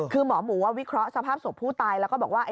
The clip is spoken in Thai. คือหมอหมูวิเคราะห์สภาพศพผู้ตายแล้วก็บอกว่า